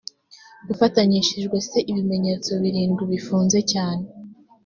ufatanyishijwe c ibimenyetso birindwi bifunze cyane